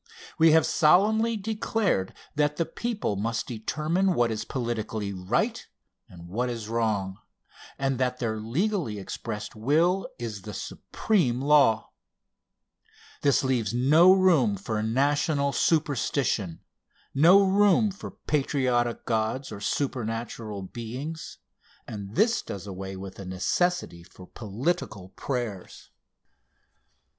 We have solemnly declared that the people must determine what is politically right and what is wrong, and that their legally expressed will is the supreme law. This leaves no room for national superstition no room for patriotic gods or supernatural beings and this does away with the necessity for political prayers.